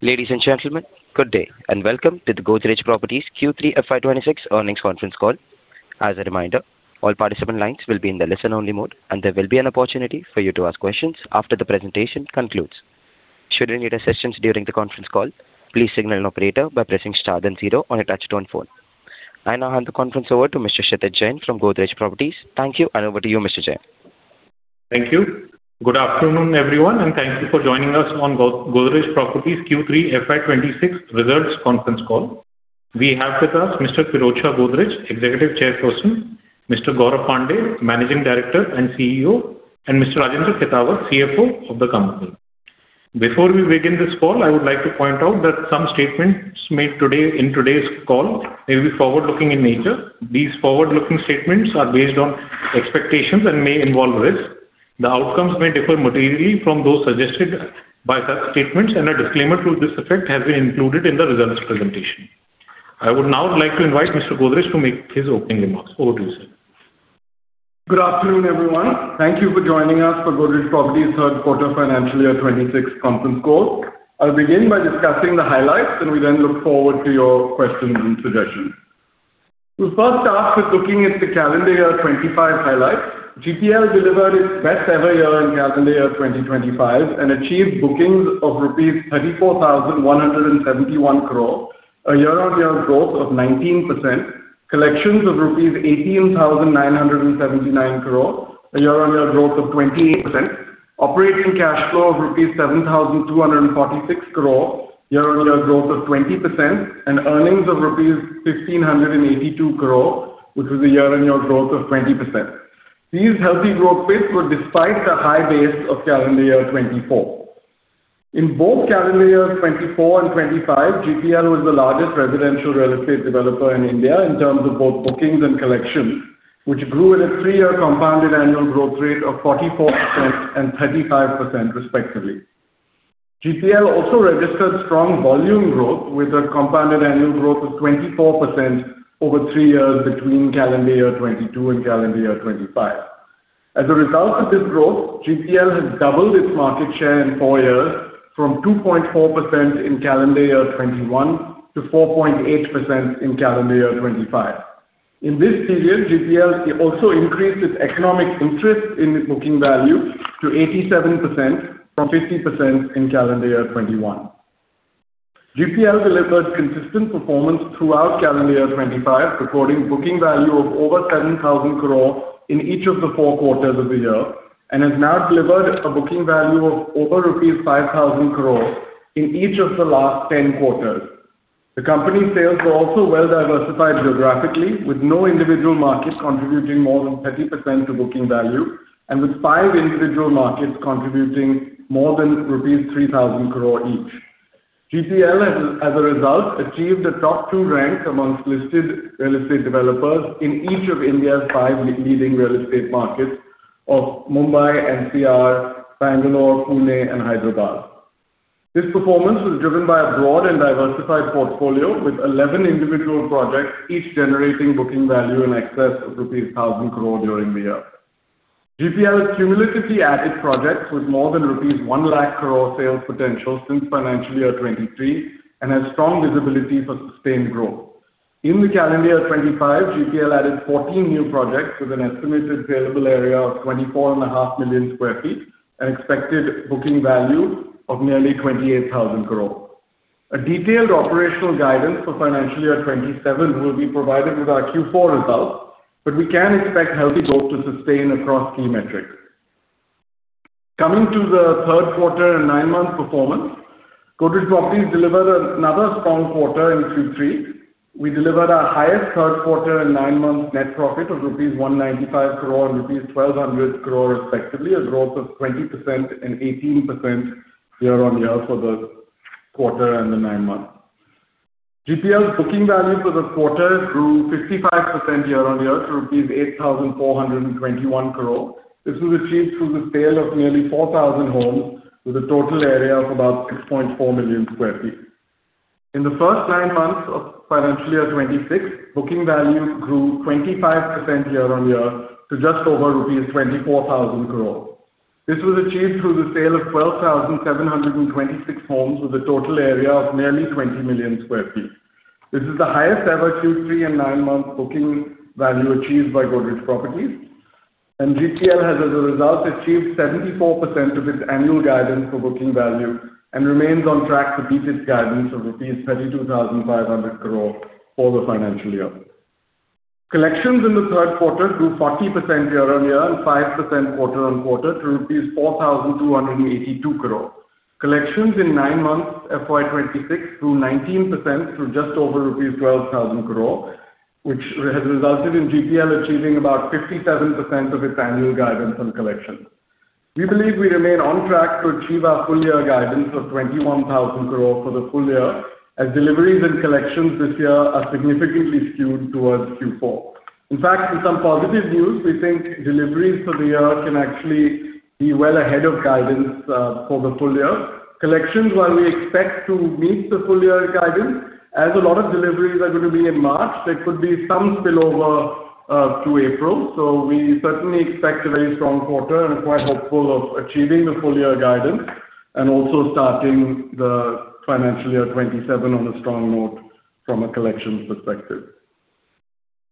Ladies and gentlemen, good day and welcome to the Godrej Properties Q3 FY 2026 earnings conference call. As a reminder, all participant lines will be in the listen-only mode, and there will be an opportunity for you to ask questions after the presentation concludes. Should you need assistance during the conference call, please signal an operator by pressing star then zero on your touch-tone phone. I now hand the conference over to Mr. Kshitij Jain from Godrej Properties. Thank you, and over to you, Mr. Jain. Thank you. Good afternoon, everyone, and thank you for joining us on Godrej Properties Q3 FY 2026 results conference call. We have with us Mr. Pirojsha Godrej, Executive Chairperson, Mr. Gaurav Pandey, Managing Director and CEO, and Mr. Rajendra Khetawat, CFO of the company. Before we begin this call, I would like to point out that some statements made today in today's call may be forward-looking in nature. These forward-looking statements are based on expectations and may involve risk. The outcomes may differ materially from those suggested by such statements, and a disclaimer to this effect has been included in the results presentation. I would now like to invite Mr. Godrej to make his opening remarks. Over to you, sir. Good afternoon, everyone. Thank you for joining us for Godrej Properties' third quarter financial year 2026 conference call. I'll begin by discussing the highlights, and we then look forward to your questions and suggestions. We'll first start with looking at the calendar year 2025 highlights. GPL delivered its best-ever year in calendar year 2025 and achieved bookings of INR 34,171 crore, a year-on-year growth of 19%, collections of INR 18,979 crore, a year-on-year growth of 28%, operating cash flow of INR 7,246 crore, year-on-year growth of 20%, and earnings of INR 1,582 crore, which was a year-on-year growth of 20%. These healthy growth metrics were despite the high base of calendar year 2024. In both calendar years 2024 and 2025, GPL was the largest residential real estate developer in India in terms of both bookings and collections, which grew at a three-year compounded annual growth rate of 44% and 35%, respectively. GPL also registered strong volume growth, with a compounded annual growth of 24% over three years between calendar year 2022 and calendar year 2025. As a result of this growth, GPL has doubled its market share in four years from 2.4% in calendar year 2021 to 4.8% in calendar year 2025. In this period, GPL also increased its economic interest in booking value to 87% from 50% in calendar year 2021. GPL delivered consistent performance throughout calendar year 2025, recording booking value of over 7,000 crore in each of the four quarters of the year and has now delivered a booking value of over rupees 5,000 crore in each of the last 10 quarters. The company's sales were also well-diversified geographically, with no individual market contributing more than 30% to booking value and with five individual markets contributing more than rupees 3,000 crore each. GPL, as a result, achieved a top two rank amongst listed real estate developers in each of India's five leading real estate markets of Mumbai, NCR, Bangalore, Pune, and Hyderabad. This performance was driven by a broad and diversified portfolio with 11 individual projects, each generating booking value in excess of rupees 1,000 crore during the year. GPL has cumulatively added projects with more than rupees 1,00,000 crore sales potential since financial year 2023 and has strong visibility for sustained growth. In the calendar year 2025, GPL added 14 new projects with an estimated saleable area of 24.5 million sq ft and expected booking value of nearly 28,000 crore. A detailed operational guidance for financial year 2027 will be provided with our Q4 results, but we can expect healthy growth to sustain across key metrics. Coming to the third quarter and nine-month performance, Godrej Properties delivered another strong quarter in Q3. We delivered our highest third quarter and nine-month net profit of rupees 195 crore and rupees 1,200 crore, respectively, a growth of 20% and 18% year-on-year for the quarter and the nine months. GPL's booking value for the quarter grew 55% year-on-year to rupees 8,421 crore. This was achieved through the sale of nearly 4,000 homes with a total area of about 6.4 million sq ft. In the first nine months of financial year 2026, booking value grew 25% year-on-year to just over rupees 24,000 crore. This was achieved through the sale of 12,726 homes with a total area of nearly 20 million sq ft. This is the highest-ever Q3 and nine-month booking value achieved by Godrej Properties. GPL has, as a result, achieved 74% of its annual guidance for booking value and remains on track to beat its guidance of rupees 32,500 crore for the financial year. Collections in the third quarter grew 40% year-on-year and 5% quarter-on-quarter to rupees 4,282 crore. Collections in nine months FY 2026 grew 19% to just over rupees 12,000 crore, which has resulted in GPL achieving about 57% of its annual guidance on collections. We believe we remain on track to achieve our full-year guidance of 21,000 crore for the full year, as deliveries and collections this year are significantly skewed towards Q4. In fact, in some positive news, we think deliveries for the year can actually be well ahead of guidance for the full year. Collections, while we expect to meet the full-year guidance, as a lot of deliveries are going to be in March, there could be some spillover to April. So we certainly expect a very strong quarter and are quite hopeful of achieving the full-year guidance and also starting the financial year 2027 on a strong note from a collections perspective.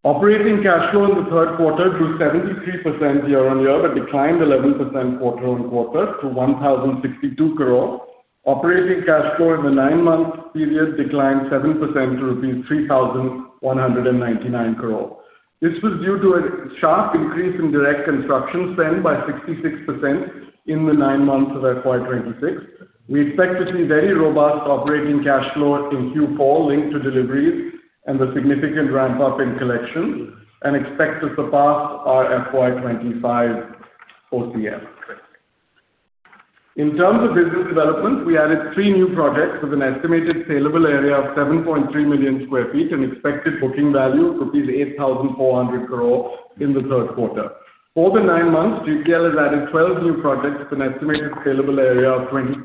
Operating cash flow in the third quarter grew 73% year-on-year but declined 11% quarter-on-quarter to 1,062 crore. Operating cash flow in the nine-month period declined 7% to rupees 3,199 crore. This was due to a sharp increase in direct construction spend by 66% in the nine months of FY 2026. We expect to see very robust operating cash flow in Q4 linked to deliveries and the significant ramp-up in collections and expect to surpass our FY 2025 OCF. In terms of business development, we added three new projects with an estimated saleable area of 7.3 million sq ft and expected booking value of 8,400 crore in the third quarter. For the nine months, GPL has added 12 new projects with an estimated saleable area of 22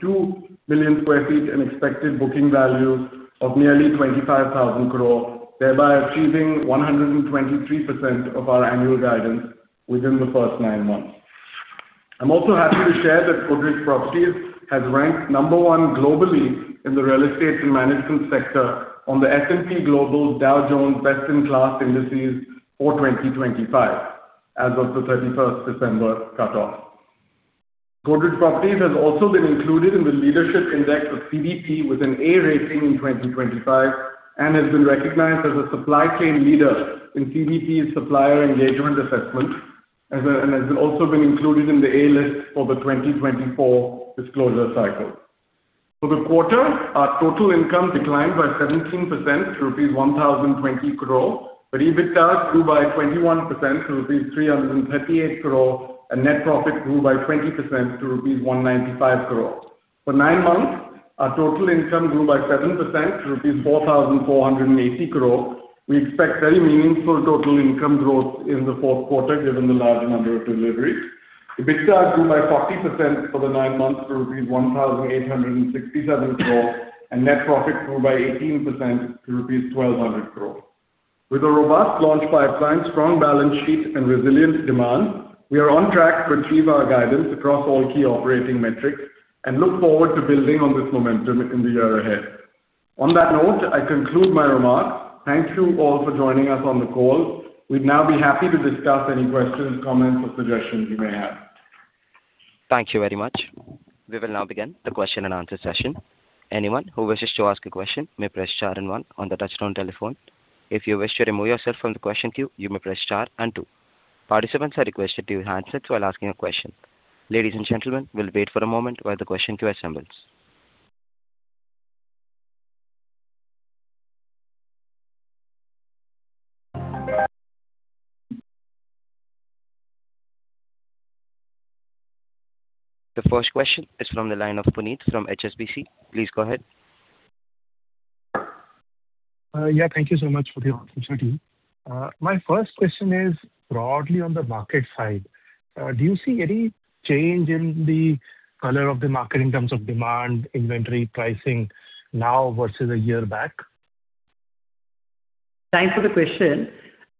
million sq ft and expected booking value of nearly 25,000 crore, thereby achieving 123% of our annual guidance within the first nine months. I'm also happy to share that Godrej Properties has ranked number one globally in the real estate and management sector on the S&P Global Dow Jones Best in Class Indices for 2025 as of the 31st December cutoff. Godrej Properties has also been included in the Leadership Index of CDP with an A rating in 2025 and has been recognized as a supply chain leader in CDP's supplier engagement assessment and has also been included in the A list for the 2024 disclosure cycle. For the quarter, our total income declined by 17% to rupees 1,020 crore, but EBITDA grew by 21% to rupees 338 crore, and net profit grew by 20% to rupees 195 crore. For nine months, our total income grew by 7% to rupees 4,480 crore. We expect very meaningful total income growth in the fourth quarter given the large number of deliveries. EBITDA grew by 40% for the nine months to rupees 1,867 crore, and net profit grew by 18% to rupees 1,200 crore. With a robust launch pipeline, strong balance sheet, and resilient demand, we are on track to achieve our guidance across all key operating metrics and look forward to building on this momentum in the year ahead. On that note, I conclude my remarks. Thank you all for joining us on the call. We'd now be happy to discuss any questions, comments, or suggestions you may have. Thank you very much. We will now begin the question-and-answer session. Anyone who wishes to ask a question may press star and one on the touch-tone telephone. If you wish to remove yourself from the question queue, you may press star and two. Participants are requested to use handsets while asking a question. Ladies and gentlemen, we'll wait for a moment while the question queue assembles. The first question is from the line of Puneet from HSBC. Please go ahead. Yeah, thank you so much for the opportunity. My first question is broadly on the market side. Do you see any change in the color of the market in terms of demand, inventory, pricing now versus a year back? Thanks for the question.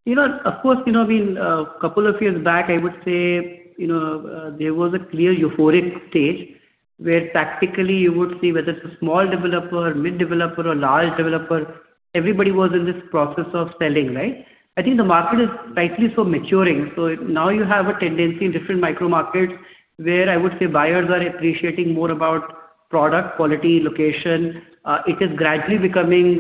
Of course, I mean, a couple of years back, I would say there was a clear euphoric stage where tactically you would see whether it's a small developer, mid-developer, or large developer, everybody was in this process of selling, right? I think the market is slowly maturing. So now you have a tendency in different micro-markets where I would say buyers are appreciating more about product quality, location. It is gradually becoming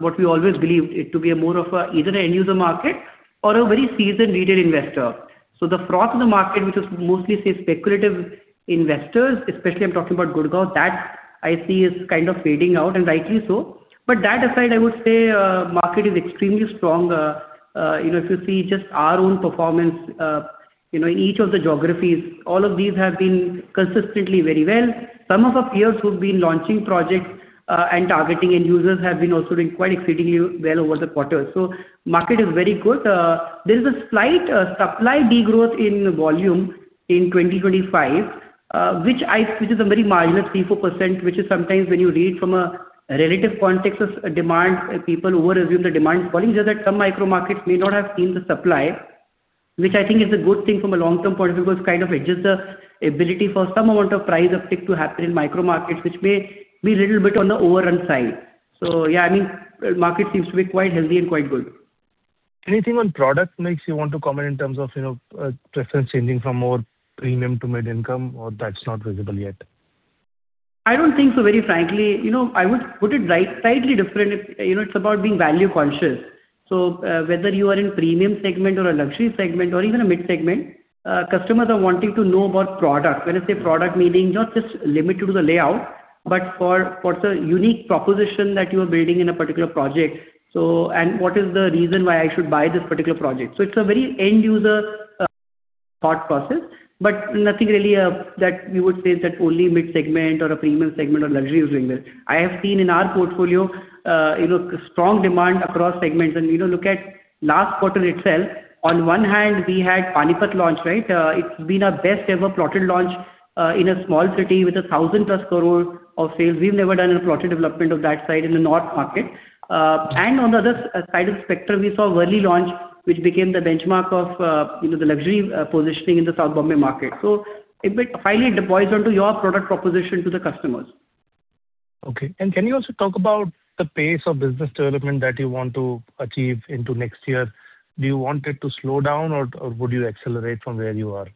what we always believed to be more of either an end-user market or a very seasoned retail investor. So the froth in the market, which was mostly, say, speculative investors, especially I'm talking about Gurgaon, that I see is kind of fading out, and rightly so. But that aside, I would say the market is extremely strong. If you see just our own performance in each of the geographies, all of these have been consistently very well. Some of our peers who've been launching projects and targeting end-users have been also doing quite exceedingly well over the quarter. So the market is very good. There is a slight supply degrowth in volume in 2025, which is a very marginal 3%, which is sometimes when you read from a relative context of demand, people over-assume the demand is falling, just that some micro-markets may not have seen the supply, which I think is a good thing from a long-term point of view because it kind of edges the ability for some amount of price uptick to happen in micro-markets, which may be a little bit on the overrun side. So yeah, I mean, the market seems to be quite healthy and quite good. Anything on product makes you want to comment in terms of preference changing from more premium to mid-income, or that's not visible yet? I don't think so, very frankly. I would put it slightly different. It's about being value conscious. So whether you are in a premium segment or a luxury segment or even a mid-segment, customers are wanting to know about product. When I say product, meaning not just limited to the layout, but for what's a unique proposition that you are building in a particular project and what is the reason why I should buy this particular project. So it's a very end-user thought process, but nothing really that we would say that only mid-segment or a premium segment or luxury is doing this. I have seen in our portfolio strong demand across segments. And look at last quarter itself. On one hand, we had Panipat launch, right? It's been our best-ever plotted launch in a small city with 1,000+ crore of sales. We've never done a plotted development of that side in the north market. On the other side of the spectrum, we saw Worli launch, which became the benchmark of the luxury positioning in the South Bombay market. It finally deploys onto your product proposition to the customers. Okay. And can you also talk about the pace of business development that you want to achieve into next year? Do you want it to slow down, or would you accelerate from where you are?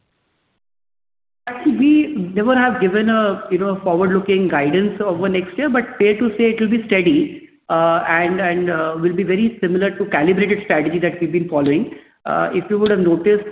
Actually, we never have given a forward-looking guidance over next year, but fair to say it will be steady and will be very similar to the calibrated strategy that we've been following. If you would have noticed,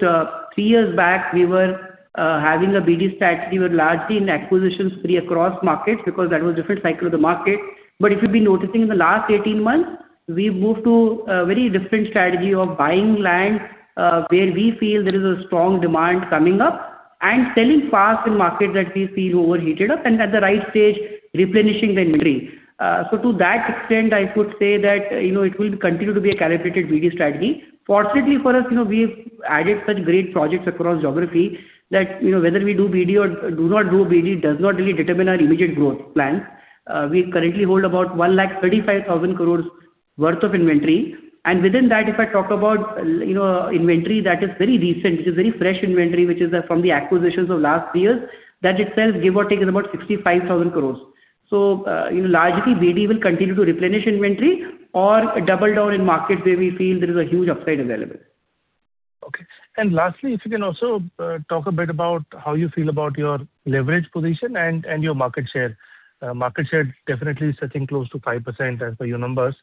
three years back, we were having a BD strategy. We were largely in acquisitions spree across markets because that was a different cycle of the market. But if you've been noticing in the last 18 months, we've moved to a very different strategy of buying land where we feel there is a strong demand coming up and selling fast in markets that we feel overheated up and, at the right stage, replenishing the inventory. So to that extent, I could say that it will continue to be a calibrated BD strategy. Fortunately for us, we've added such great projects across geography that whether we do BD or do not do BD does not really determine our immediate growth plans. We currently hold about 135,000 crores' worth of inventory. Within that, if I talk about inventory that is very recent, which is very fresh inventory, which is from the acquisitions of last three years, that itself give or take is about 65,000 crores. Largely, BD will continue to replenish inventory or double down in markets where we feel there is a huge upside available. Okay. Lastly, if you can also talk a bit about how you feel about your leverage position and your market share. Market share definitely is, I think, close to 5% as per your numbers.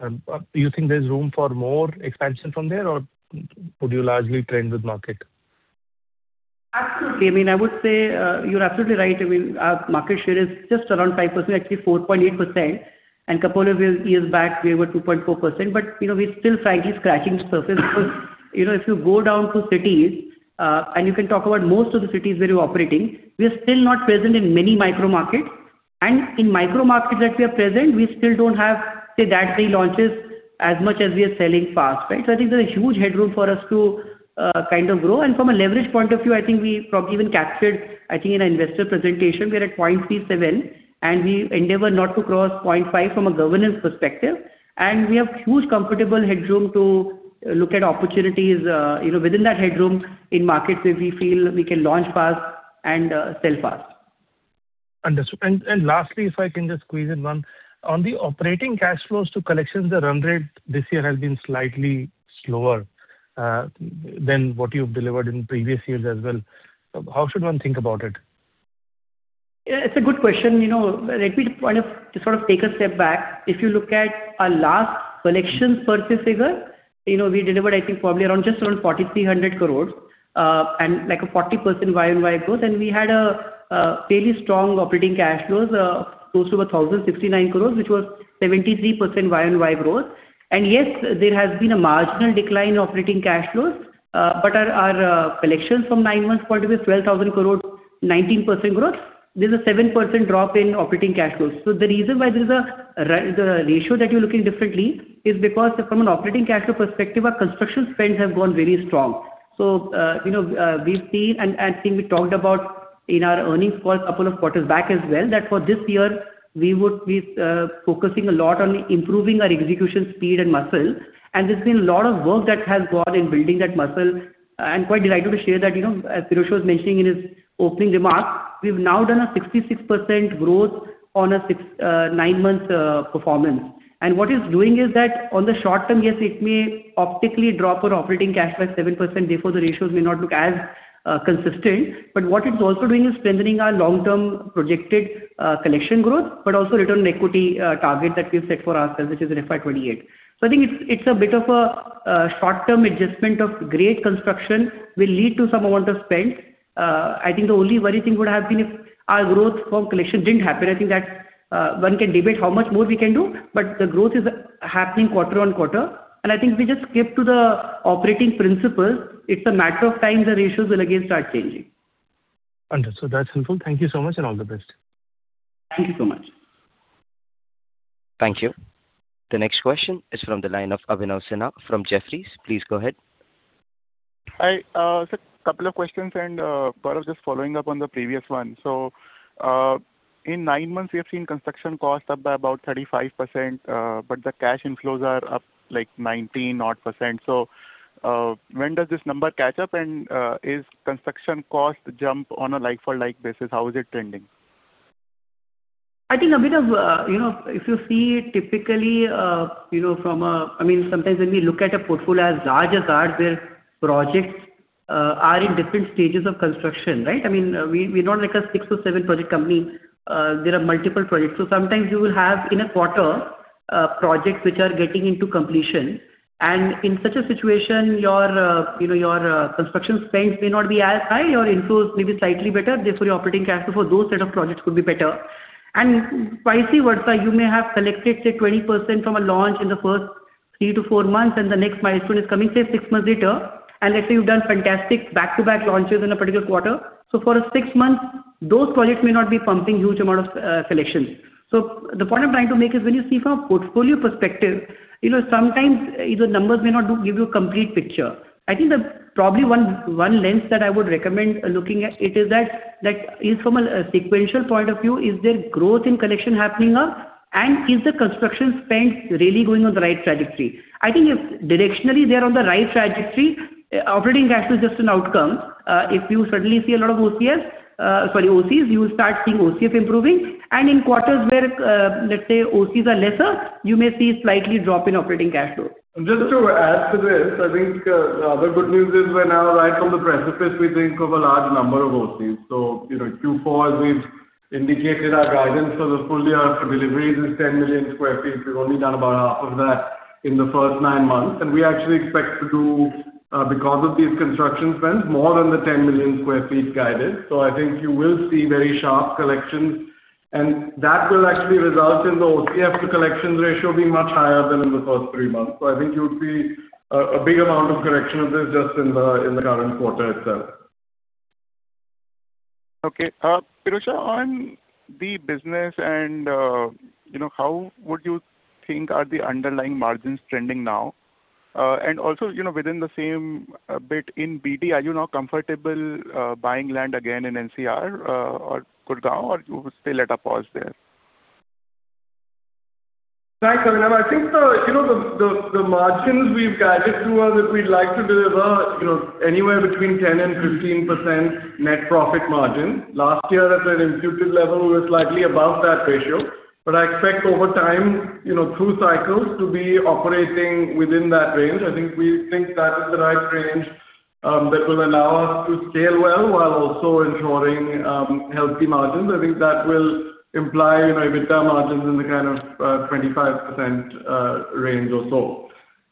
Do you think there's room for more expansion from there, or would you largely trend with market? Absolutely. I mean, I would say you're absolutely right. I mean, our market share is just around 5%, actually 4.8%. And a couple of years back, we were 2.4%. But we're still, frankly, scratching the surface because if you go down to cities and you can talk about most of the cities where we're operating, we are still not present in many micro-markets. And in micro-markets that we are present, we still don't have, say, that many launches as much as we are selling fast, right? So I think there's a huge headroom for us to kind of grow. And from a leverage point of view, I think we probably even captured, I think, in our investor presentation, we are at 0.37, and we endeavor not to cross 0.5 from a governance perspective. We have huge, comfortable headroom to look at opportunities within that headroom in markets where we feel we can launch fast and sell fast. Understood. And lastly, if I can just squeeze in one, on the operating cash flows to collections, the run rate this year has been slightly slower than what you've delivered in previous years as well. How should one think about it? It's a good question. Let me kind of sort of take a step back. If you look at our last collections purchase figure, we delivered, I think, probably just around 4,300 crores and a 40% year-over-year growth. We had a fairly strong operating cash flows close to 1,069 crores, which was 73% year-over-year growth. Yes, there has been a marginal decline in operating cash flows. But our collections from nine months point of view, 12,000 crores, 19% growth, there's a 7% drop in operating cash flows. The reason why there is a ratio that you're looking differently is because, from an operating cash flow perspective, our construction spends have gone very strong. We've seen, and I think we talked about in our earnings calls a couple of quarters back as well, that for this year, we're focusing a lot on improving our execution speed and muscle. There's been a lot of work that has gone in building that muscle. Quite delighted to share that, as Pirojsha was mentioning in his opening remarks, we've now done a 66% growth on a nine-month performance. What it's doing is that on the short term, yes, it may optically drop our operating cash by 7%. Therefore, the ratios may not look as consistent. What it's also doing is strengthening our long-term projected collection growth but also return on equity target that we've set for ourselves, which is an FY 2028. So I think it's a bit of a short-term adjustment of great construction will lead to some amount of spend. I think the only worrying thing would have been if our growth from collection didn't happen. I think one can debate how much more we can do, but the growth is happening quarter-on-quarter. I think if we just stick to the operating principles, it's a matter of time the ratios will again start changing. Understood. That's helpful. Thank you so much and all the best. Thank you so much. Thank you. The next question is from the line of Abhinav Sinha from Jefferies. Please go ahead. Hi. So a couple of questions and part of just following up on the previous one. So in nine months, we have seen construction costs up by about 35%, but the cash inflows are up like 19-odd%. So when does this number catch up, and is construction costs jumping on a like-for-like basis? How is it trending? I think a bit of, if you see it typically from a, I mean, sometimes when we look at a portfolio as large as ours, where projects are in different stages of construction, right? I mean, we're not like a six- or seven-project company. There are multiple projects. So sometimes you will have, in a quarter, projects which are getting into completion. And in such a situation, your construction spends may not be as high. Your inflows may be slightly better. Therefore, your operating cash flow for those set of projects could be better. And vice versa, you may have collected, say, 20% from a launch in the first three to four months, and the next milestone is coming, say, six months later. And let's say you've done fantastic back-to-back launches in a particular quarter. So for six months, those projects may not be pumping a huge amount of collections. So the point I'm trying to make is when you see from a portfolio perspective, sometimes the numbers may not give you a complete picture. I think probably one lens that I would recommend looking at is that, from a sequential point of view, is there growth in collection happening up, and is the construction spend really going on the right trajectory? I think if directionally they are on the right trajectory, operating cash flow is just an outcome. If you suddenly see a lot of OCs sorry, OCs, you'll start seeing OCF improving. And in quarters where, let's say, OCs are lesser, you may see a slightly drop in operating cash flow. And just to add to this, I think the other good news is we're now right from the precipice, we think, of a large number of OCs. So Q4, as we've indicated, our guidance for the fully deliveries is 10 million sq ft. We've only done about half of that in the first nine months. And we actually expect to do, because of these construction spends, more than the 10 million sq ft guided. So I think you will see very sharp collections. And that will actually result in the OCF to collections ratio being much higher than in the first three months. So I think you would see a big amount of correction of this just in the current quarter itself. Okay. Pirojsha, on the business, how would you think are the underlying margins trending now? And also, within the same bit in BD, are you now comfortable buying land again in NCR or Gurgaon, or you would still let a pause there? Thanks, Abhinav. I think the margins we've guided through are that we'd like to deliver anywhere between 10%-15% net profit margin. Last year, at an imputed level, we were slightly above that ratio. But I expect, over time, through cycles, to be operating within that range. I think we think that is the right range that will allow us to scale well while also ensuring healthy margins. I think that will imply EBITDA margins in the kind of 25% range or so.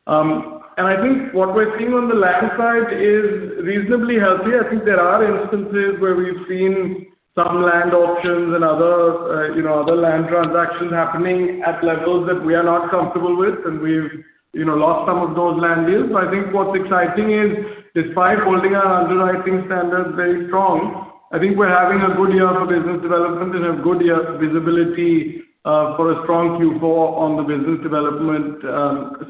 And I think what we're seeing on the land side is reasonably healthy. I think there are instances where we've seen some land options and other land transactions happening at levels that we are not comfortable with, and we've lost some of those land deals. But I think what's exciting is, despite holding our underwriting standards very strong, I think we're having a good year for business development and have good visibility for a strong Q4 on the business development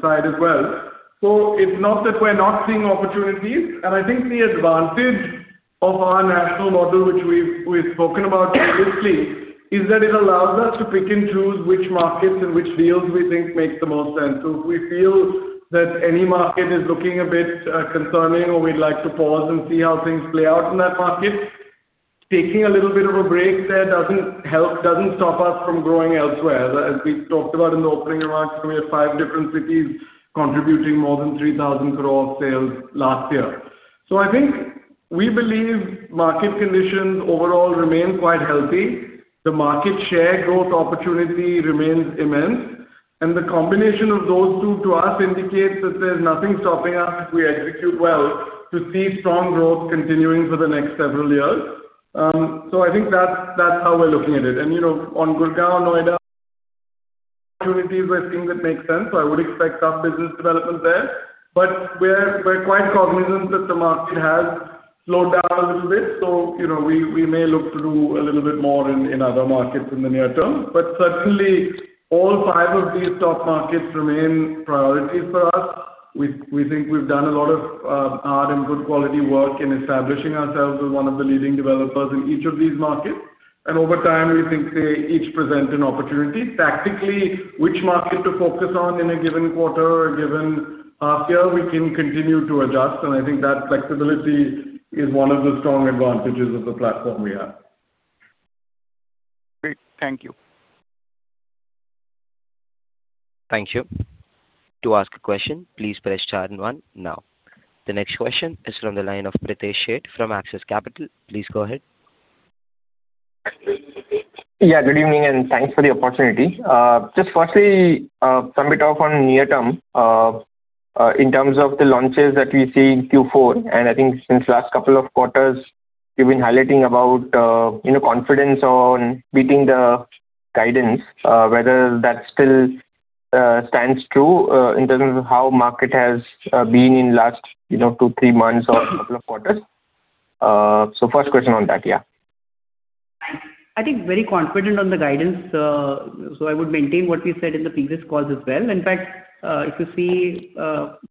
side as well. So it's not that we're not seeing opportunities. And I think the advantage of our national model, which we've spoken about previously, is that it allows us to pick and choose which markets and which deals we think make the most sense. So if we feel that any market is looking a bit concerning or we'd like to pause and see how things play out in that market, taking a little bit of a break there doesn't help, doesn't stop us from growing elsewhere. As we talked about in the opening remarks, we had five different cities contributing more than 3,000 crore of sales last year. I think we believe market conditions overall remain quite healthy. The market share growth opportunity remains immense. The combination of those two, to us, indicates that there's nothing stopping us if we execute well to see strong growth continuing for the next several years. I think that's how we're looking at it. On Gurgaon, Noida, opportunities, we're seeing that make sense. I would expect tough business development there. We're quite cognizant that the market has slowed down a little bit. We may look to do a little bit more in other markets in the near term. Certainly, all five of these top markets remain priorities for us. We think we've done a lot of hard and good quality work in establishing ourselves as one of the leading developers in each of these markets. Over time, we think they each present an opportunity. Tactically, which market to focus on in a given quarter or a given half year, we can continue to adjust. I think that flexibility is one of the strong advantages of the platform we have. Great. Thank you. Thank you. To ask a question, please press star and one now. The next question is from the line of Pritesh Sheth from Axis Capital. Please go ahead. Yeah. Good evening, and thanks for the opportunity. Just firstly, some bit of a near-term in terms of the launches that we see in Q4. And I think since the last couple of quarters, you've been highlighting about confidence on beating the guidance, whether that still stands true in terms of how the market has been in the last two, three months or a couple of quarters. So first question on that, yeah. I think very confident on the guidance. So I would maintain what we said in the previous calls as well. In fact, if you see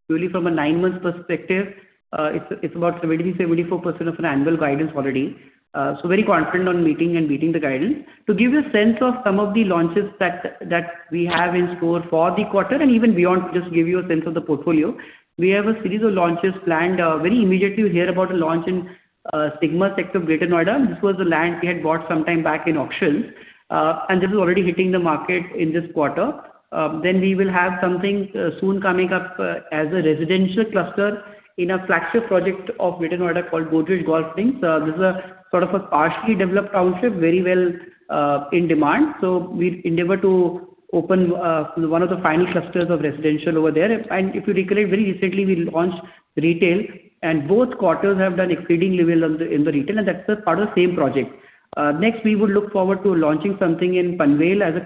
purely from a nine-month perspective, it's about 70%-74% of an annual guidance already. So very confident on meeting and beating the guidance. To give you a sense of some of the launches that we have in store for the quarter and even beyond, just to give you a sense of the portfolio, we have a series of launches planned. Very immediately, you hear about a launch in the Sigma sector of Greater Noida. This was a land we had bought some time back in auctions. This is already hitting the market in this quarter. We will have something soon coming up as a residential cluster in a flagship project of Greater Noida called Godrej Golf Links. This is sort of a partially developed township, very well in demand. So we endeavor to open one of the final clusters of residential over there. If you recollect, very recently, we launched retail. Both quarters have done exceedingly well in the retail. That's part of the same project. Next, we would look forward to launching something in Panvel as a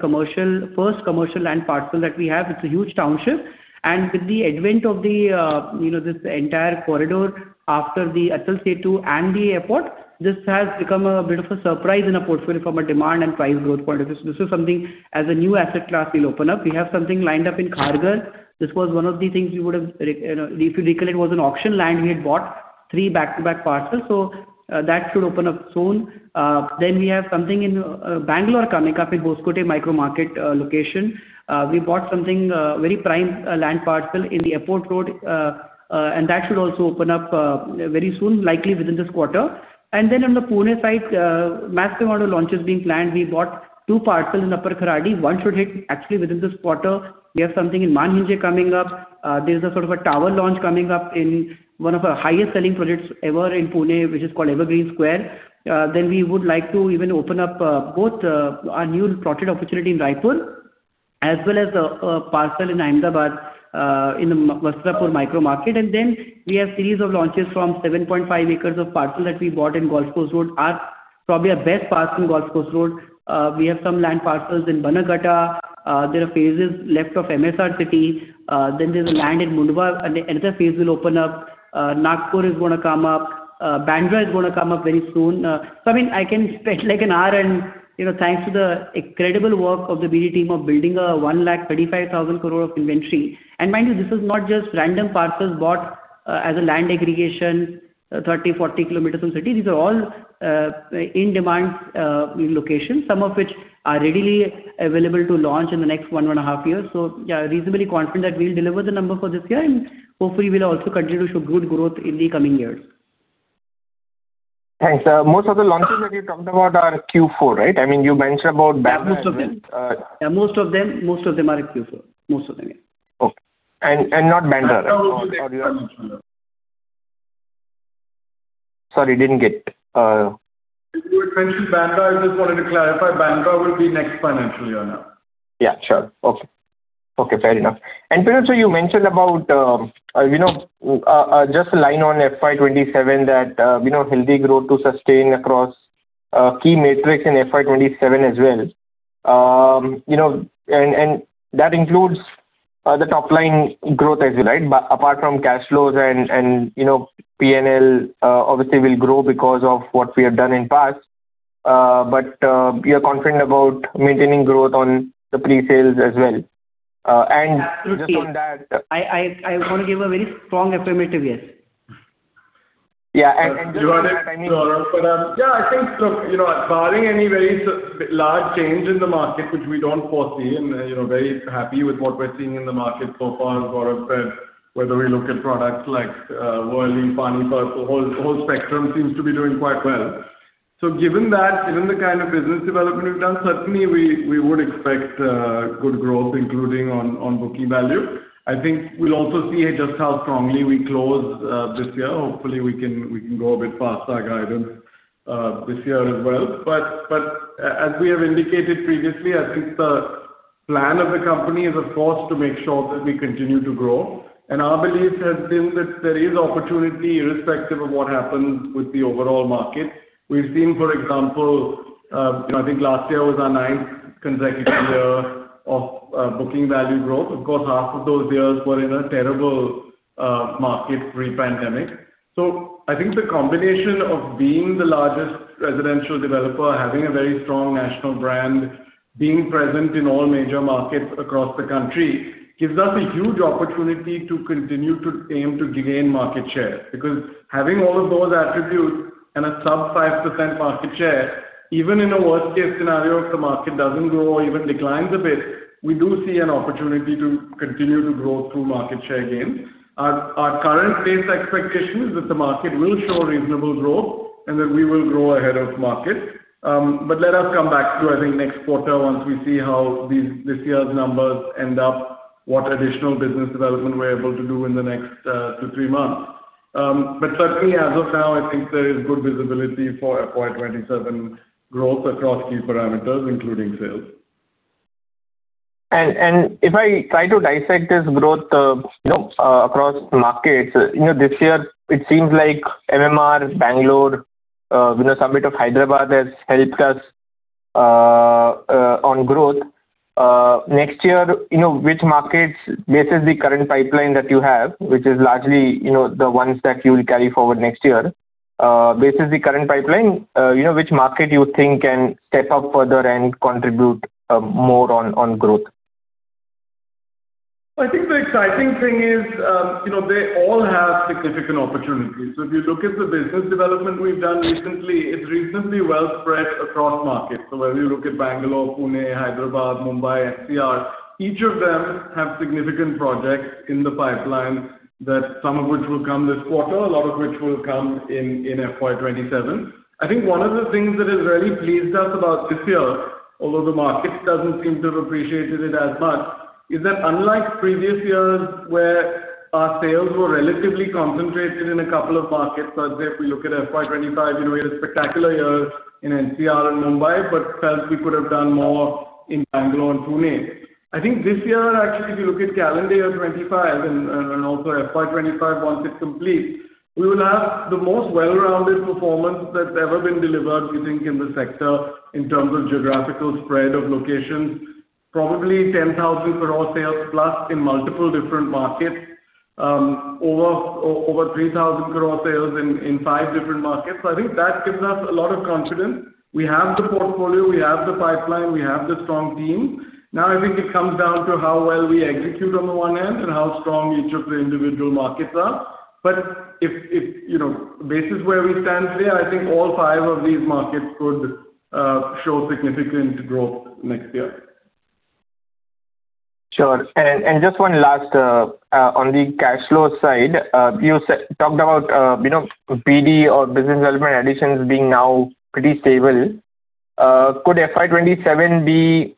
first commercial land parcel that we have. It's a huge township. With the advent of this entire corridor after the Atal Setu and the airport, this has become a bit of a surprise in our portfolio from a demand and price growth point of view. So this is something as a new asset class we'll open up. We have something lined up in Kharghar. This was one of the things we would have, if you recollect, was an auction land we had bought, three back-to-back parcels. So that should open up soon. Then we have something in Bangalore coming up in Hoskote micromarket location. We bought something, a very prime land parcel in the Airport Road. And that should also open up very soon, likely within this quarter. And then on the Pune side, massive amount of launches being planned. We bought two parcels in Kharadi. One should hit actually within this quarter. We have something in Manjri coming up. There's sort of a tower launch coming up in one of our highest-selling projects ever in Pune, which is called Evergreen Square. Then we would like to even open up both our new plotted opportunity in Raipur as well as a parcel in Ahmedabad in the Vastrapur micromarket. Then we have a series of launches from 7.5 acres of parcel that we bought in Golf Course Road. Probably our best parcel in Golf Course Road. We have some land parcels in Bannerghatta. There are phases left of MSR City. Then there's a land in Mundhwa. Another phase will open up. Nagpur is going to come up. Bandra is going to come up very soon. So I mean, I can spend like an hour. And thanks to the incredible work of the BD team of building a 135,000 crore of inventory. And mind you, this is not just random parcels bought as a land aggregation, 30 km-40 km from the city. These are all in-demand locations, some of which are readily available to launch in the next 1-1.5 years. So yeah, reasonably confident that we'll deliver the number for this year. Hopefully, we'll also continue to show good growth in the coming years. Thanks. Most of the launches that you talked about are Q4, right? I mean, you mentioned about Bandra. Yeah, most of them. Yeah, most of them. Most of them are in Q4. Most of them, yeah. Okay. And not Bandra, right? Sorry, didn't get. You had mentioned Bandra. I just wanted to clarify. Bandra will be next financial year now. Yeah, sure. Okay. Okay, fair enough. And Pirojsha, you mentioned about just a line on FY 2027 that healthy growth to sustain across key metrics in FY 2027 as well. And that includes the top-line growth as well. Right? But apart from cash flows and P&L, obviously, will grow because of what we have done in past. But you're confident about maintaining growth on the presales as well. And just on that. Absolutely. I want to give a very strong affirmative, yes. You are it, Gaurav. But yeah, I think, look, barring any very large change in the market, which we don't foresee, and very happy with what we're seeing in the market so far, Gaurav said, whether we look at products like Worli, Panipat, the whole spectrum seems to be doing quite well. So given that, given the kind of business development we've done, certainly, we would expect good growth, including on booking value. I think we'll also see just how strongly we close this year. Hopefully, we can go a bit past our guidance this year as well. But as we have indicated previously, I think the plan of the company is, of course, to make sure that we continue to grow. Our belief has been that there is opportunity, irrespective of what happens with the overall market. We've seen, for example, I think last year was our ninth consecutive year of booking value growth. Of course, half of those years were in a terrible market pre-pandemic. So I think the combination of being the largest residential developer, having a very strong national brand, being present in all major markets across the country gives us a huge opportunity to continue to aim to gain market share. Because having all of those attributes and a sub-5% market share, even in a worst-case scenario, if the market doesn't grow or even declines a bit, we do see an opportunity to continue to grow through market share gains. Our current base expectation is that the market will show reasonable growth and that we will grow ahead of market. Let us come back to, I think, next quarter once we see how this year's numbers end up, what additional business development we're able to do in the next two to three months. But certainly, as of now, I think there is good visibility for FY 2027 growth across key parameters, including sales. If I try to dissect this growth across markets, this year, it seems like MMR, Bangalore, some bit of Hyderabad has helped us on growth. Next year, which markets basis the current pipeline that you have, which is largely the ones that you will carry forward next year, basis the current pipeline, which market you think can step up further and contribute more on growth? I think the exciting thing is they all have significant opportunities. So if you look at the business development we've done recently, it's reasonably well spread across markets. So whether you look at Bangalore, Pune, Hyderabad, Mumbai, NCR, each of them have significant projects in the pipeline, some of which will come this quarter, a lot of which will come in FY 2027. I think one of the things that has really pleased us about this year, although the market doesn't seem to have appreciated it as much, is that unlike previous years where our sales were relatively concentrated in a couple of markets, so I'd say if we look at FY 2025, it was a spectacular year in NCR and Mumbai but felt we could have done more in Bangalore and Pune. I think this year, actually, if you look at calendar year 2025 and also FY 2025 once it completes, we will have the most well-rounded performance that's ever been delivered, we think, in the sector in terms of geographical spread of locations, probably 10,000 crore sales plus in multiple different markets, over 3,000 crore sales in five different markets. So I think that gives us a lot of confidence. We have the portfolio. We have the pipeline. We have the strong team. Now, I think it comes down to how well we execute on the one hand and how strong each of the individual markets are. But based on where we stand today, I think all five of these markets could show significant growth next year. Sure. And just one last on the cash flow side, you talked about BD or business development additions being now pretty stable. Could FY 2027 be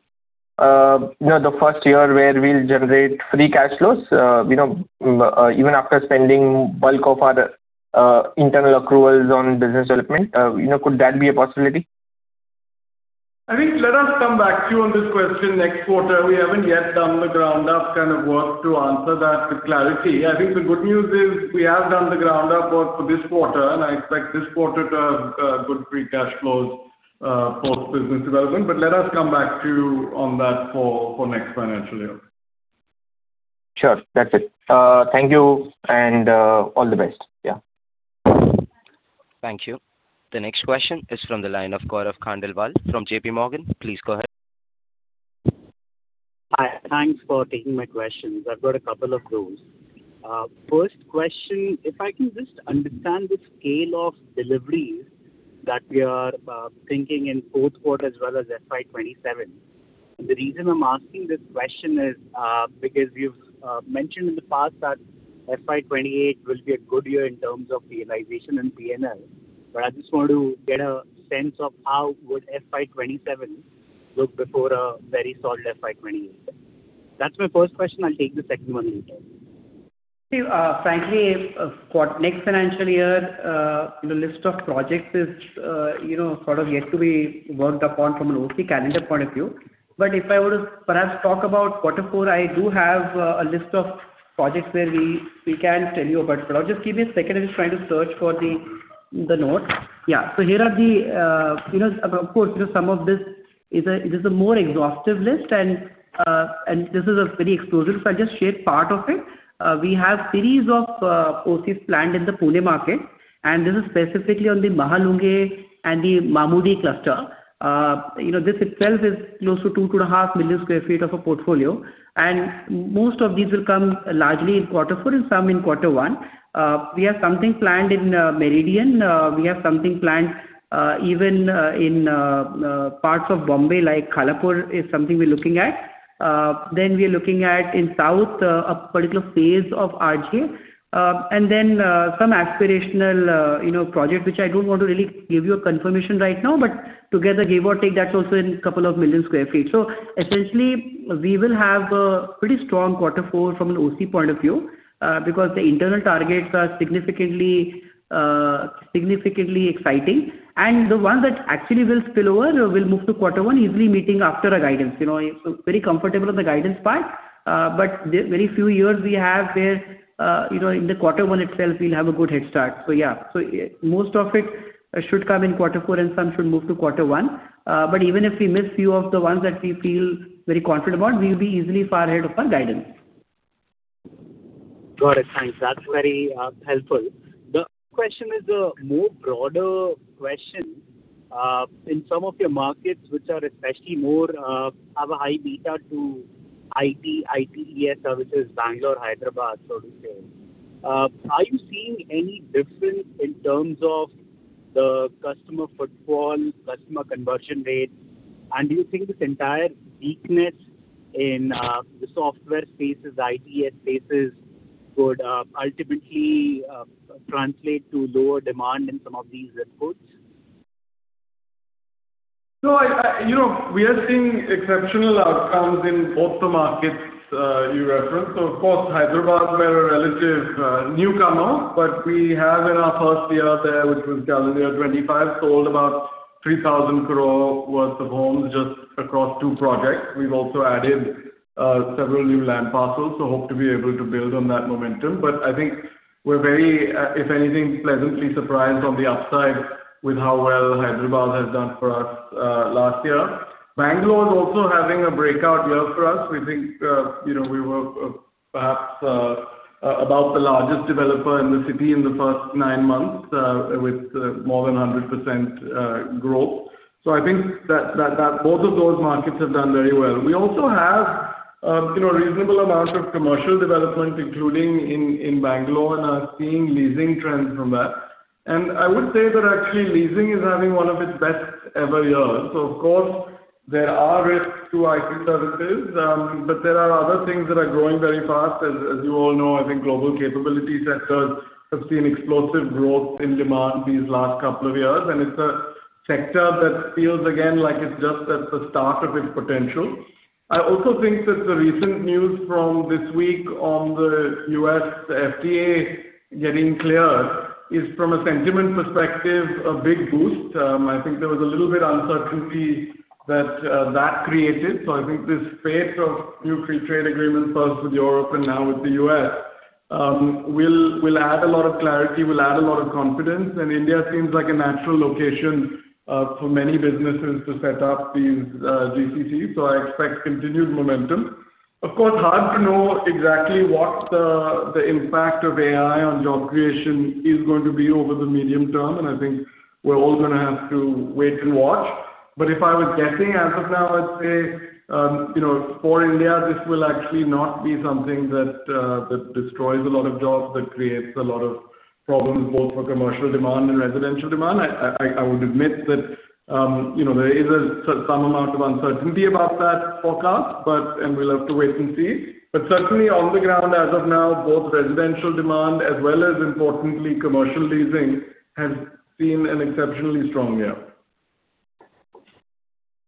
the first year where we'll generate free cash flows even after spending a bulk of our internal accruals on business development? Could that be a possibility? I think let us come back to you on this question next quarter. We haven't yet done the ground-up kind of work to answer that with clarity. I think the good news is we have done the ground-up work for this quarter. I expect this quarter to have good free cash flows post-business development. Let us come back to you on that for next financial year. Sure. That's it. Thank you and all the best. Yeah. Thank you. The next question is from the line of Gaurav Khandelwal from JPMorgan. Please go ahead. Hi. Thanks for taking my questions. I've got a couple of those. First question, if I can just understand the scale of deliveries that we are thinking in fourth quarter as well as FY 2027. And the reason I'm asking this question is because you've mentioned in the past that FY 2028 will be a good year in terms of realization and P&L. But I just want to get a sense of how would FY 2027 look before a very solid FY 2028? That's my first question. I'll take the second one later. Frankly, for next financial year, the list of projects is sort of yet to be worked upon from an OC calendar point of view. But if I were to perhaps talk about quarter four, I do have a list of projects where we can tell you about it. But just give me a second. I'm just trying to search for the notes. Yeah. So, here are the—of course, some of this is a more exhaustive list. And this is a very exhaustive. So I'll just share part of it. We have a series of OCs planned in the Pune market. And this is specifically on the Mahalunge and the Mamurdi cluster. This itself is close to 2 million sq ft-2.5 million sq ft of a portfolio. And most of these will come largely in quarter four and some in quarter one. We have something planned in Meridien. We have something planned even in parts of Bombay, like Khalapur, is something we're looking at. Then we're looking at, in south, a particular phase of RJ. And then some aspirational project, which I don't want to really give you a confirmation right now, but together, give or take, that's also in 2 million sq ft. So essentially, we will have a pretty strong quarter four from an OC point of view because the internal targets are significantly exciting. And the ones that actually will spill over will move to quarter one, easily meeting after our guidance. So very comfortable on the guidance part. But very few years we have where in the quarter one itself, we'll have a good head start. So yeah. So most of it should come in quarter four, and some should move to quarter one. But even if we miss a few of the ones that we feel very confident about, we'll be easily far ahead of our guidance. Got it. Thanks. That's very helpful. The question is a more broader question. In some of your markets, which are especially more have a high beta to IT, ITES services, Bangalore, Hyderabad, so to say, are you seeing any difference in terms of the customer footfall, customer conversion rate? And do you think this entire weakness in the software spaces, ITES spaces, would ultimately translate to lower demand in some of these zip codes? No, we are seeing exceptional outcomes in both the markets you referenced. So of course, Hyderabad is where a relative newcomer is. But we have, in our first year there, which was calendar year 2025, sold about 3,000 crore worth of homes just across two projects. We've also added several new land parcels. So hope to be able to build on that momentum. But I think we're very, if anything, pleasantly surprised on the upside with how well Hyderabad has done for us last year. Bangalore is also having a breakout year for us. We think we were perhaps about the largest developer in the city in the first nine months with more than 100% growth. So I think that both of those markets have done very well. We also have a reasonable amount of commercial development, including in Bangalore. And I'm seeing leasing trends from that. I would say that actually, leasing is having one of its best-ever years. So of course, there are risks to IT services. But there are other things that are growing very fast. As you all know, I think global capability sectors have seen explosive growth in demand these last couple of years. And it's a sector that feels, again, like it's just at the start of its potential. I also think that the recent news from this week on the U.S. FTA getting cleared is, from a sentiment perspective, a big boost. I think there was a little bit of uncertainty that that created. So I think this slate of new free trade agreements, first with Europe and now with the U.S., will add a lot of clarity, will add a lot of confidence. And India seems like a natural location for many businesses to set up these GCCs. So I expect continued momentum. Of course, hard to know exactly what the impact of AI on job creation is going to be over the medium term. And I think we're all going to have to wait and watch. But if I was guessing, as of now, I'd say, for India, this will actually not be something that destroys a lot of jobs, that creates a lot of problems both for commercial demand and residential demand. I would admit that there is some amount of uncertainty about that forecast, and we'll have to wait and see. But certainly, on the ground, as of now, both residential demand as well as, importantly, commercial leasing has seen an exceptionally strong year.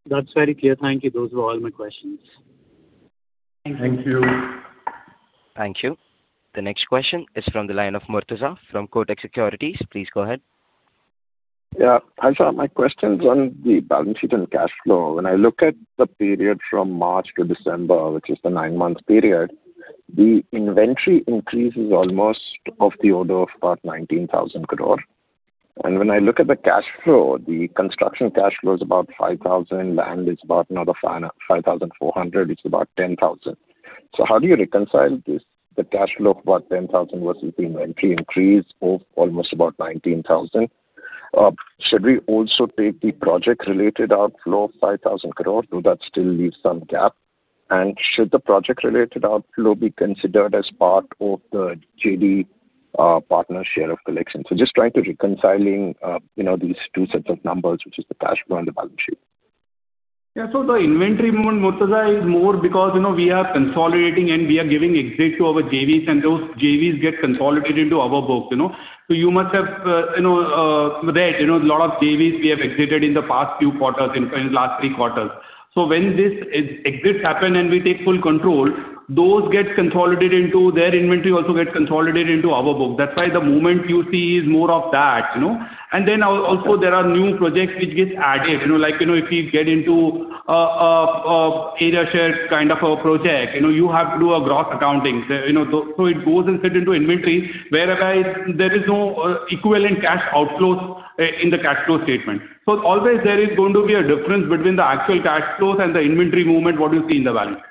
That's very clear. Thank you. Those were all my questions. Thank you. Thank you. Thank you. The next question is from the line of Murtuza from Kotak Securities. Please go ahead. Yeah. I've got my questions on the balance sheet and cash flow. When I look at the period from March to December, which is the nine-month period, the inventory increases, almost of the order of about 19,000 crore. When I look at the cash flow, the construction cash flow is about 5,000 crore. Land is about another 5,400 crore. It's about 10,000 crore. So how do you reconcile the cash flow of about 10,000 crore versus the inventory increase of almost about 19,000 crore? Should we also take the project-related outflow of 5,000 crore? Does that still leave some gap? Should the project-related outflow be considered as part of the JD partner share of collection? So just trying to reconcile these two sets of numbers, which is the cash flow and the balance sheet. Yeah. So the inventory movement, Murtuza, is more because we are consolidating, and we are giving exit to our JVs. And those JVs get consolidated into our books. So you must have read a lot of JVs we have exited in the past few quarters, in the last three quarters. So when these exits happen and we take full control, those get consolidated into their inventory also gets consolidated into our books. That's why the movement you see is more of that. And then also, there are new projects which get added. Like if you get into an area-shared kind of a project, you have to do a gross accounting. So it goes and sits into inventory, whereby there is no equivalent cash outflows in the cash flow statement. Always, there is going to be a difference between the actual cash flows and the inventory movement, what you see in the balance sheet. Sure.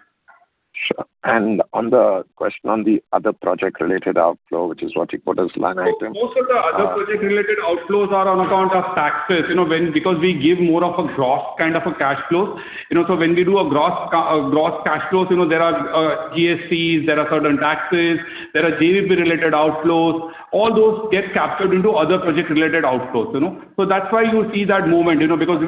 And on the question on the other project-related outflow, which is what you put as line item. Most of the other project-related outflows are on account of taxes because we give more of a gross kind of a cash flow. So when we do a gross cash flow, there are GSTs. There are certain taxes. There are JVP-related outflows. All those get captured into other project-related outflows. So that's why you see that movement. Because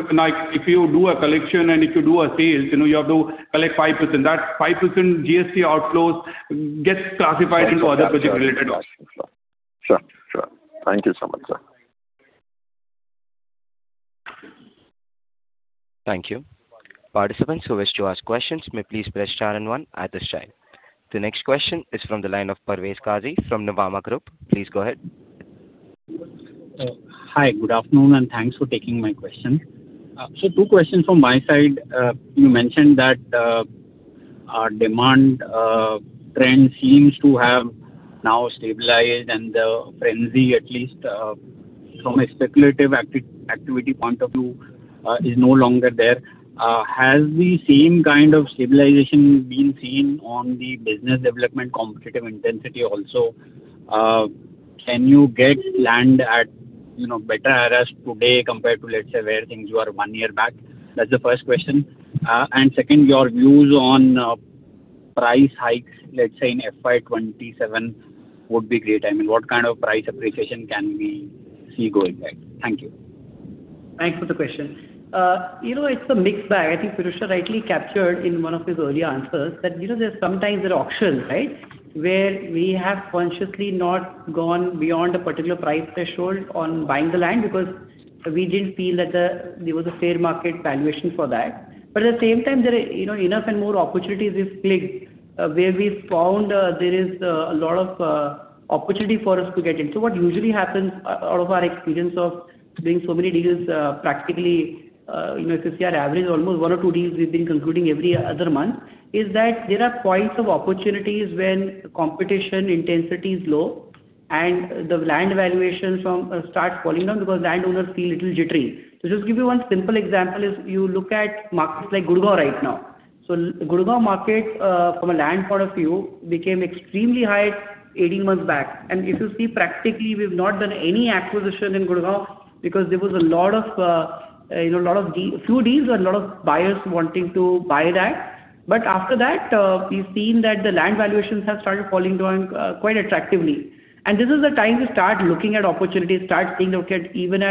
if you do a collection and if you do a sale, you have to collect 5%. That 5% GST outflows gets classified into other project-related outflows. Sure. Sure. Sure. Thank you so much, sir. Thank you. Participants who wish to ask questions, may please press star and one at this time. The next question is from the line of Parvez Qazi from Nuvama Group. Please go ahead. Hi. Good afternoon. Thanks for taking my question. Two questions from my side. You mentioned that our demand trend seems to have now stabilized. The frenzy, at least from a speculative activity point of view, is no longer there. Has the same kind of stabilization been seen on the business development competitive intensity also? Can you get land at better rates today compared to, let's say, where things were one year back? That's the first question. Second, your views on price hikes, let's say, in FY 2027 would be great. I mean, what kind of price appreciation can we see going forward? Thank you. Thanks for the question. It's a mixed bag. I think Pirojsha rightly captured in one of his earlier answers that there's sometimes auctions, right, where we have consciously not gone beyond a particular price threshold on buying the land because we didn't feel that there was a fair market valuation for that. But at the same time, there are enough and more opportunities we've clicked where we found there is a lot of opportunity for us to get in. So what usually happens out of our experience of doing so many deals, practically, if you see our average, almost one or two deals we've been concluding every other month, is that there are points of opportunities when competition intensity is low. And the land valuation starts falling down because landowners feel a little jittery. So just to give you one simple example, you look at markets like Gurgaon right now. So Gurgaon market, from a land point of view, became extremely high 18 months back. If you see, practically, we've not done any acquisition in Gurgaon because there was a lot of a few deals and a lot of buyers wanting to buy that. But after that, we've seen that the land valuations have started falling down quite attractively. And this is the time we start looking at opportunities, start seeing that even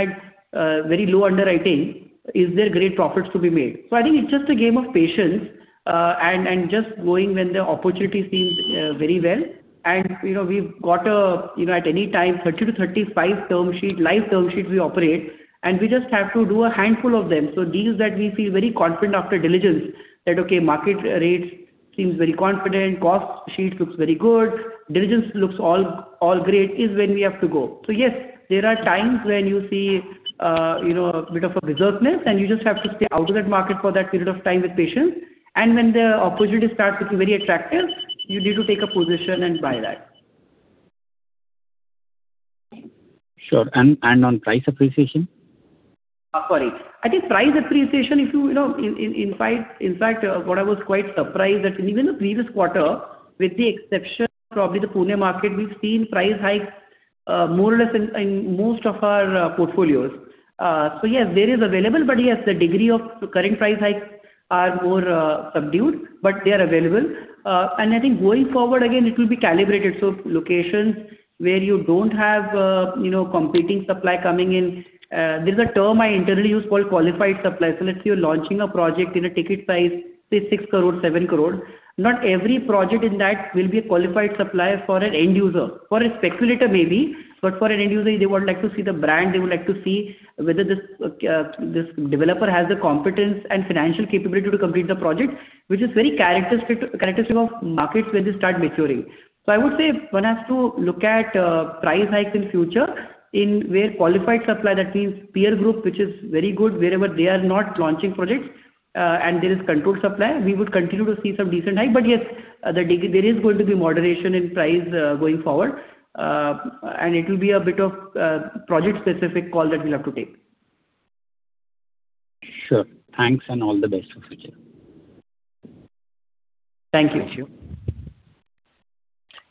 at very low underwriting, is there great profits to be made? So I think it's just a game of patience and just going when the opportunity seems very well. And we've got at any time 30-35 term sheets, live term sheets, we operate. And we just have to do a handful of them. So deals that we feel very confident after diligence that, okay, market rates seem very confident, cost sheet looks very good, diligence looks all great, is when we have to go. So yes, there are times when you see a bit of a berserkness, and you just have to stay out of that market for that period of time with patience. And when the opportunity starts looking very attractive, you need to take a position and buy that. Sure. And on price appreciation? Sorry. I think price appreciation, if you in fact, what I was quite surprised that even the previous quarter, with the exception of probably the Pune market, we've seen price hikes more or less in most of our portfolios. So yes, there is available. But yes, the degree of current price hikes are more subdued. But they are available. And I think going forward, again, it will be calibrated. So locations where you don't have competing supply coming in, there's a term I internally use called qualified supply. So let's say you're launching a project in a ticket size, say, 6 crore, 7 crore. Not every project in that will be a qualified supply for an end user, for a speculator maybe. But for an end user, they would like to see the brand. They would like to see whether this developer has the competence and financial capability to complete the project, which is very characteristic of markets where they start maturing. So I would say one has to look at price hikes in the future where qualified supply, that means peer group, which is very good wherever they are not launching projects and there is controlled supply, we would continue to see some decent hike. But yes, there is going to be moderation in price going forward. And it will be a bit of project-specific call that we'll have to take. Sure. Thanks. All the best for the future. Thank you.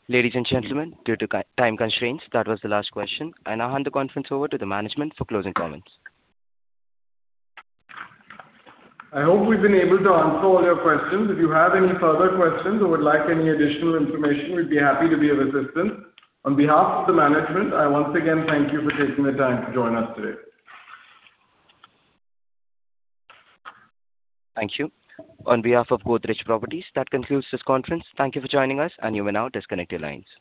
Ladies and gentlemen, due to time constraints, that was the last question. I now hand the conference over to the management for closing comments. I hope we've been able to answer all your questions. If you have any further questions or would like any additional information, we'd be happy to be of assistance. On behalf of the management, I once again thank you for taking the time to join us today. Thank you. On behalf of Godrej Properties, that concludes this conference. Thank you for joining us. You may now disconnect your lines.